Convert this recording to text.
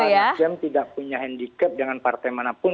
artinya pak nasdem tidak punya handicap dengan partai manapun